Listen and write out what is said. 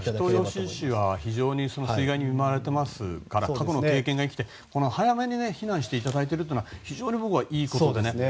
人吉市は非常に水害に見舞われていますから過去の経験が生きて早めに避難していただいているのは非常にいいことで。